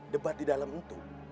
debat di dalam itu